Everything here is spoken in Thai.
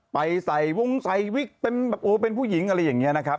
ไปใส่วงใส่วิกเป็นแบบโอ้เป็นผู้หญิงอะไรอย่างนี้นะครับ